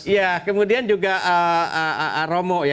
ya kemudian juga a a a romo ya